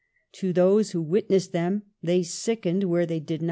To those who witnessed them, they sickened where they did